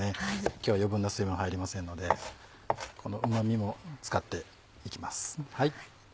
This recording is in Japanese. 今日は余分な水分入りませんのでこのうま味も使っていきます。